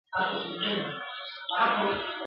چي اور مړ سي، بيا بيرته يوې خوا ته درول کېږي.